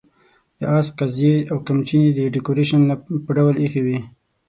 د آس قیضې او قمچینې د ډیکوریشن په ډول اېښې وې.